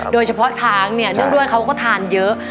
โดยเฉพาะช้างเนี่ยเนื่องด้วยเขาก็ทานเยอะ